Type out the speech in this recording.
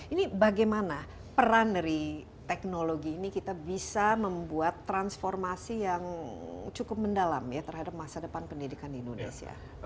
ini bagaimana peran dari teknologi ini kita bisa membuat transformasi yang cukup mendalam ya terhadap masa depan pendidikan indonesia